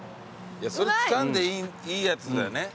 それつかんでいいやつだよね。